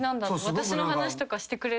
私の話とかしてくれるんだ。